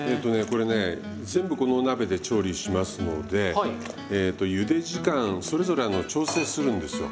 これね全部このお鍋で調理しますのでゆで時間それぞれ調整するんですよ。